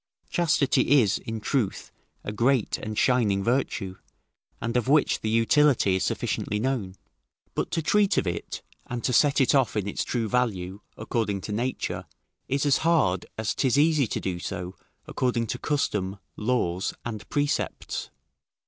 Chastity is, in truth, a great and shining virtue, and of which the utility is sufficiently known; but to treat of it, and to set it off in its true value, according to nature, is as hard as 'tis easy to do so according to custom, laws, and precepts.